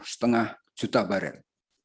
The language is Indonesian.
setengah juta bareng